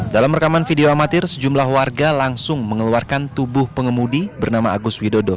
dalam rekaman video amatir sejumlah warga langsung mengeluarkan tubuh pengemudi bernama agus widodo